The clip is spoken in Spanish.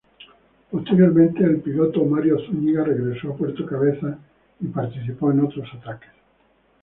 Posteriormente, el piloto Mario Zúñiga regresó a Puerto Cabezas y participó en otros ataques.